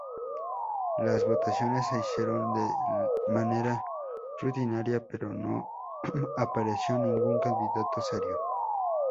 Las votaciones se hicieron de manera rutinaria, pero no apareció ningún candidato serio.